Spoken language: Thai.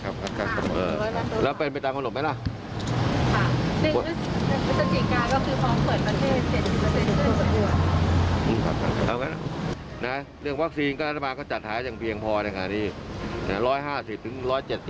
แบบนี้แบบ๑๕๐ตึง๑๗๐ล้านมันจะมีอะไรเลื่อนทั้งหน่อย